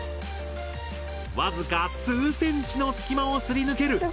僅か数センチの隙間をすり抜ける